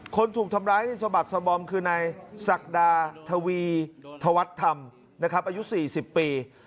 คนถูกทำร้ายในสบักสบอมคือนายศักดาทวีธวัฒนธรรมนะครับอายุ๔๐ปี